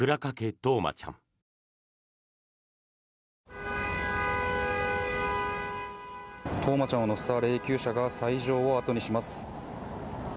冬生ちゃんを乗せた霊きゅう車が斎場をあとにします。